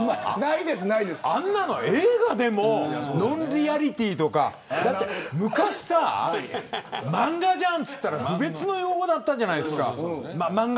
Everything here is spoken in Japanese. あんなの映画でもノンリアリティーとか昔は漫画じゃんと言ったら侮蔑の用語だったじゃないですか。